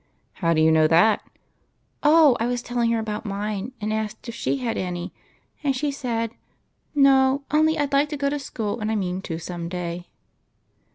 " How do you know that ?"" Oh, I was telling her about mine, and asked if she had any, and she said, ' No, only I 'd like to go to school, and I mean to some day.'